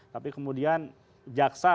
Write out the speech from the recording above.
tapi kemudian jaksa